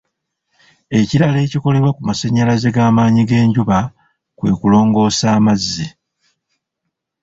Ekirala ekikolebwa ku masannyalaze g'amaanyi g'enjuba kwe kulongoosa amazzi